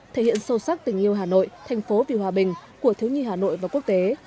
thể hiện sâu sắc tình yêu hà nội thành phố vì hòa bình của thiếu nhi hà nội và quốc tế